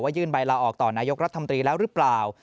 ยื่นใบลาออกต่อนายกรัฐมนตรีแล้วหรือเปล่า